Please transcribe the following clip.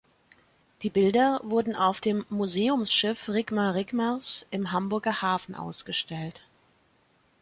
Die Bilder wurden auf dem Museumsschiff Rickmer Rickmers im Hamburger Hafen ausgestellt.